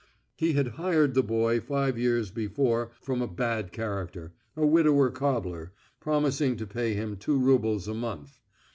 He had hired the boy five years before from a bad character, a widower cobbler, promising to pay him two roubles a month.